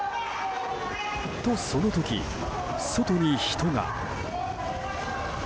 とその時、外に人が。